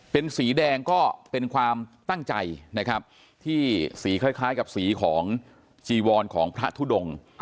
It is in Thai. เป็นสีแดงก็เป็นความตั้งใจนะครับที่สีคล้ายกับสีของจีวรของพระทุดง